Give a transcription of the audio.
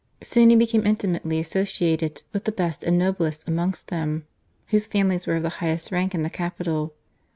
Soon he became intimately associated with the best and noblest amongst them, whose families were of 'the highest rank in the •capital.